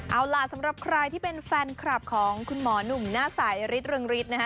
เอาล่ะสำหรับใครที่เป็นแฟนคลับของคุณหมอหนุ่มหน้าใสฤทธิเรืองฤทธิ์นะฮะ